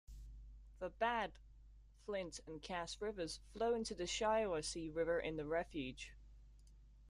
The Bad, Flint, and Cass Rivers flow into the Shiawassee River in the refuge.